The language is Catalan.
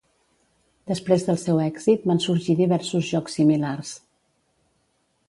Després del seu èxit van sorgir diversos jocs similars.